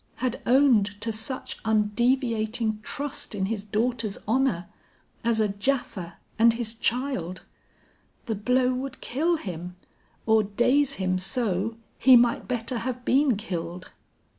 Had owned to such undeviating trust in his daughter's honor, as a Japha and his child! The blow would kill him; or daze him so, he might better have been killed.